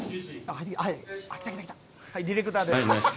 はいディレクターです。